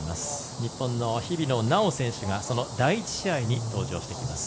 日本の日比野菜緒選手が第１試合に登場してきます。